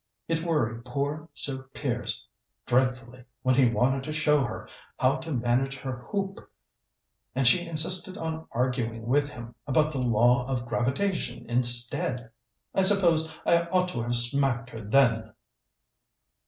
It worried poor Sir Piers dreadfully when he wanted to show her how to manage her hoop, and she insisted on arguing with him about the law of gravitation instead. I suppose I ought to have smacked her then."